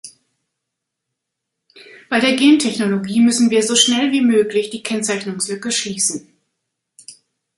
Bei der Gentechnologie müssen wir so schnell wie möglich die Kennzeichnungslücke schließen.